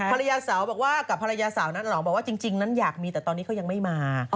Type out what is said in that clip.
ภรรยาเสาร์กลับภรรยาเสาร์นั้นบอกว่าจริงนั้นอยากมีแต่ตอนนี้เขายังไม่มา